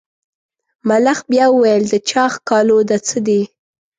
ملخ بیا وویل د چا ښکالو ده څه دي.